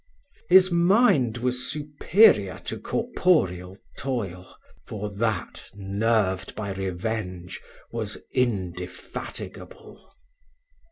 His mind was superior to corporeal toil; for that, nerved by revenge, was indefatigable.